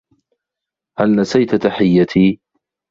هل نسيت تحيّتي؟